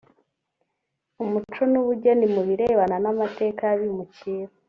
umuco n’ubugeni mu birebana n’amateka y’abimukira